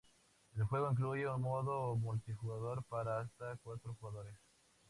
El juego incluye un modo multijugador para hasta cuatro jugadores.